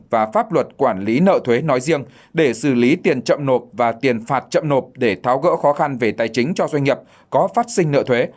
và pháp luật quản lý nợ thuế nói riêng để xử lý tiền chậm nộp và tiền phạt chậm nộp để tháo gỡ khó khăn về tài chính cho doanh nghiệp có phát sinh nợ thuế